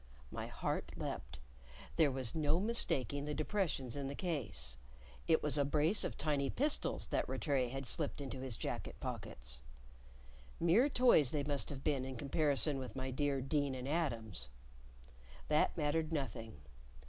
My heart leapt; there was no mistaking the depressions in the case. It was a brace of tiny pistols that Rattray had slipped into his jacket pockets. Mere toys they must have been in comparison with my dear Deane and Adams; that mattered nothing.